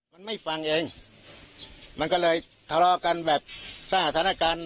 มันไม่ฟังเองมันก็เลยทะเลาะกันแบบสร้างสถานการณ์